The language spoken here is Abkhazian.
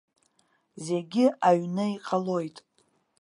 Зегьы аҩны иҟалоит.